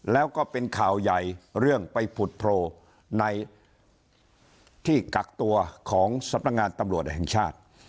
แล้วก็เป็นข่าวใหญ่เรื่องไปผุดโผล่ในที่กักตัวของสำนักงานตำรวจแห่งชาติ